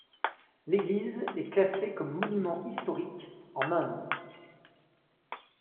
L’église est classée comme monument historique en Inde.